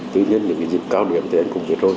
tuy nhiên những dịch cao điểm thì anh cũng biết rồi